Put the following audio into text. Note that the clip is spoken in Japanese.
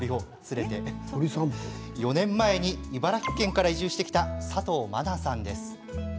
４年前に茨城県から移住してきた佐藤愛さんです。